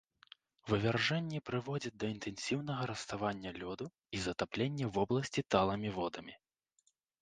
Вывяржэнні прыводзяць да інтэнсіўнага раставання лёду і затаплення вобласці талымі водамі.